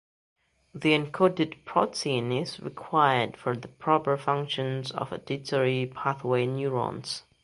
The encoded protein is required for the proper function of auditory pathway neurons.